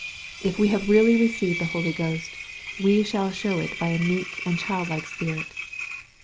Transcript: If we have really received the Holy Ghost, we shall show it by a meek and childlike spirit.